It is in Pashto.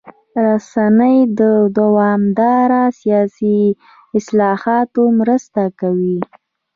رسنۍ د دوامداره سیاسي اصلاحاتو مرسته کوي.